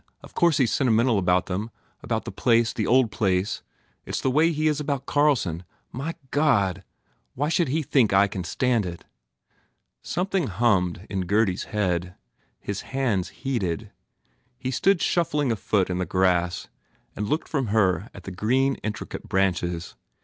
Of course he s sentimental about them about the place the old place It s the way he is about Carlson ! My God, why should he think I can stand it!" Something hummed in Gurdy s head. His hands heated. He stood shuffling a foot in the grass and looked from her at the green intricate branches.